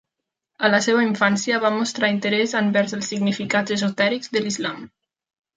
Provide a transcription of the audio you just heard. En la seva infància va mostrar interès envers els significats esotèrics de l'islam.